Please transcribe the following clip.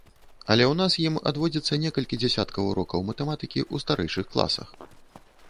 Але ў нас ім адводзіцца некалькі дзясяткаў урокаў матэматыкі ў старэйшых класах.